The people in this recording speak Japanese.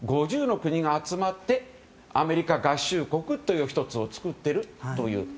５０の国が集まってアメリカ合衆国という１つを作っているという。